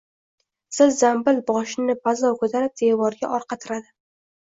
Zil-zambil boshini bazo‘r ko‘tarib, devorga orqa tiradi.